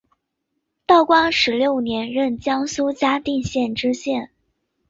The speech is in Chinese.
道光十六年任江苏嘉定县知县。